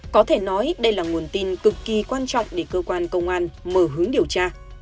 có thể nói đây là nguồn tin cực kỳ quan trọng để cơ quan công an mở hướng điều tra